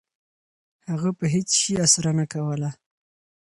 هغه په هیڅ شي اسره نه کوله. .